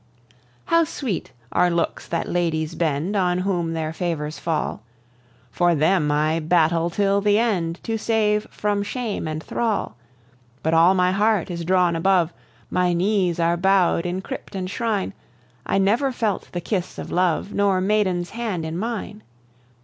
How sweet are looks that ladies bend On whom their favours fall! For them I battle till the end, To save from shame and thrall: But all my heart is drawn above, My knees are bow'd in crypt and shrine: I never felt the kiss of love, Nor maiden's hand in mine.